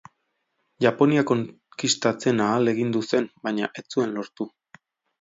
Japonia konkistatzen ahalegindu zen baina ez zuen lortu.